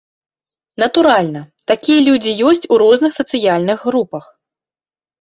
Натуральна, такія людзі ёсць у розных сацыяльных групах.